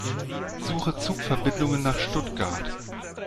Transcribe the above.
Suche Zugverbindungen nach Stuttgart.